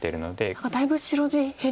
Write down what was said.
何かだいぶ白地減りましたね。